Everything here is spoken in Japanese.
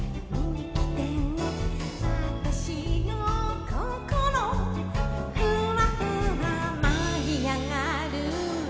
「わたしのココロふわふわ舞い上がる」